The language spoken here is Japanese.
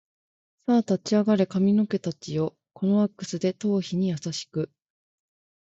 さあ立ち上がれ髪の毛たちよ、このワックスで頭皮に優しく